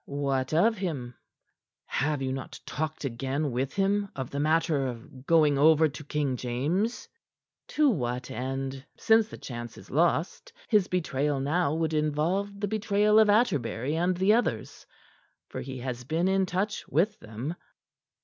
"What of him?" "Have you not talked again with him of the matter of going over to King James?" "To what end, since the chance is lost? His betrayal now would involve the betrayal of Atterbury and the others for he has been in touch with them."